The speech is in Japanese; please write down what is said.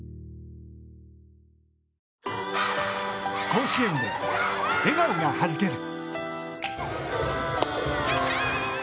甲子園で笑顔がはじける。